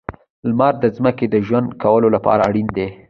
• لمر د ځمکې د ژوند کولو لپاره اړین دی.